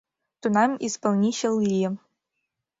Тунам исполничыл ыльым.